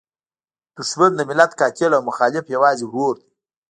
دوښمن د ملت قاتل او مخالف یوازې ورور دی.